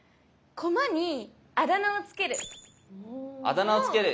駒にあだ名を付ける。